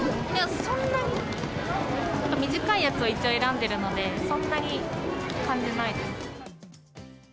そんなに、短いやつを一応選んでるので、そんなに感じないです。